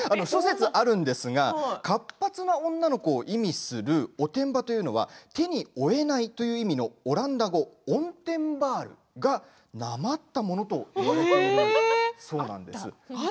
諸説あるんですが活発な女の子を意味する、おてんばは手に負えないという意味のオランダ語オンテンバールがなまったものと言われているそうなんです。